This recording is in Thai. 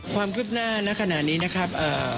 ความคืบหน้าณขณะนี้นะครับ